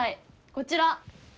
こちら。